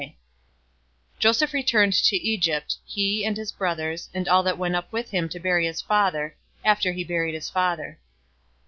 050:014 Joseph returned into Egypt he, and his brothers, and all that went up with him to bury his father, after he had buried his father.